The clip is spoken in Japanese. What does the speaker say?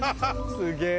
すげえ！